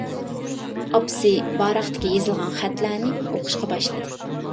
ئاپىسى ۋاراقتىكى يېزىلغان خەتلەرنى ئوقۇشقا باشلىدى.